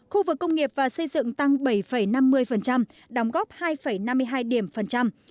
khu vực công nghiệp và xây dựng tăng bảy năm mươi đóng góp hai năm mươi hai điểm phần trăm